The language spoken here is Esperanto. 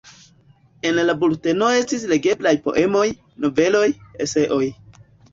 En la bulteno estis legeblaj poemoj, noveloj, eseoj.